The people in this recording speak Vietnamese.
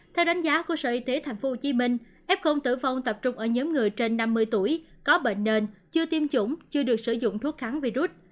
theo đánh giá của sở y tế tp hcm fol tử vong tập trung ở nhóm người trên năm mươi tuổi có bệnh nền chưa tiêm chủng chưa được sử dụng thuốc kháng virus